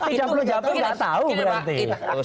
tidak perlu menjawab itu nggak tahu berarti